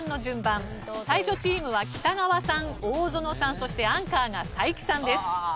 才女チームは北川さん大園さんそしてアンカーが才木さんです。